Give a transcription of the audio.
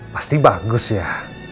pasti bagus ya